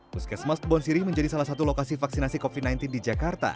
puskesmas kebonsiri menjadi salah satu lokasi vaksinasi covid sembilan belas di jakarta